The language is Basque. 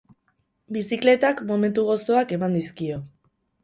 Bizikletak momentu gozoak eman dizkio.